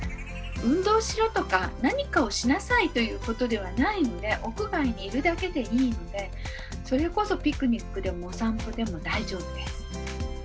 「運動しろ」とか「何かをしなさい」ということではないので屋外にいるだけでいいのでそれこそピクニックでもお散歩でも大丈夫です。